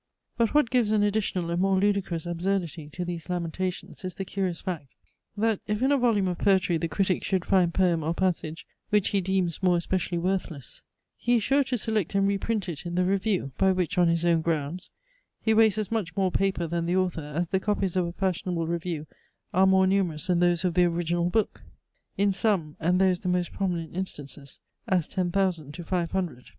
But what gives an additional and more ludicrous absurdity to these lamentations is the curious fact, that if in a volume of poetry the critic should find poem or passage which he deems more especially worthless, he is sure to select and reprint it in the review; by which, on his own grounds, he wastes as much more paper than the author, as the copies of a fashionable review are more numerous than those of the original book; in some, and those the most prominent instances, as ten thousand to five hundred.